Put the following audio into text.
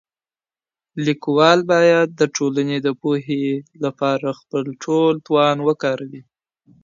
ليکوال بايد د ټولني د پوهي لپاره خپل ټول توان وکاروي.